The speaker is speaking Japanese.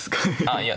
あいや